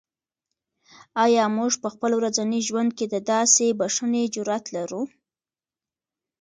آیا موږ په خپل ورځني ژوند کې د داسې بښنې جرات لرو؟